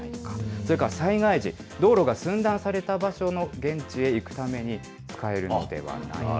それから災害時、道路が寸断された場所の現地へ行くために使えるんではないか。